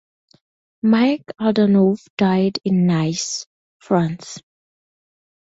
Mark Aldanov died in Nice, France.